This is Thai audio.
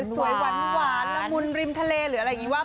สวยหวานละมุนริมทะเลหรืออะไรอย่างนี้ว่า